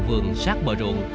vườn sát bờ ruộng